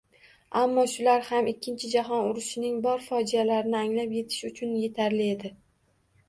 Ammo shular ham Ikkinchi jahon urushining bor fojialarini anglab etish uchun etarli edi